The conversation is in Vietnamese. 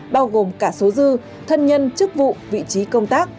bao gồm cả số dư thân nhân chức vụ vị trí công tác